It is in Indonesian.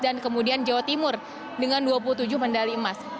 dan kemudian jawa timur dengan dua puluh tujuh mendali emas